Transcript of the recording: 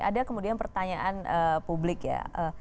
ada kemudian pertanyaan publik ya